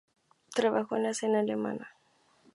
Trabajó en la escena alemana.